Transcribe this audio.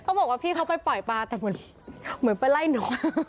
เขาบอกว่าพี่เขาไปปล่อยปลาแต่เหมือนไปไล่น้อง